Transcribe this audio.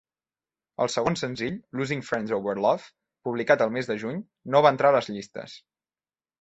El segon senzill, "Losing Friends Over Love", publicat el mes de juny, no va entrar a les llistes.